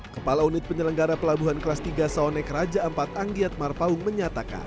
kepala unit penyelenggara pelabuhan kelas tiga saonek raja iv anggiat marpaung menyatakan